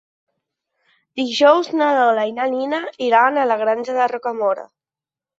Dijous na Lola i na Nina iran a la Granja de Rocamora.